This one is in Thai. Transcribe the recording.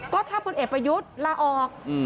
ก็ถ้าพลเอกประยุทธ์ลาออก